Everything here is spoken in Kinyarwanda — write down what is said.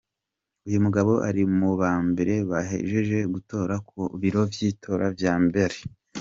Uyu mugabo ari muba mbere bahejeje gutora ku biro vy’itora vya Mbale.